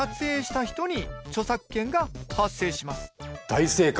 大正解。